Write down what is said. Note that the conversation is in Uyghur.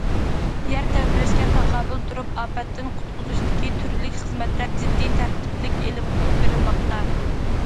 يەر تەۋرەشكە تاقابىل تۇرۇپ، ئاپەتتىن قۇتقۇزۇشتىكى تۈرلۈك خىزمەتلەر جىددىي، تەرتىپلىك ئېلىپ بېرىلماقتا.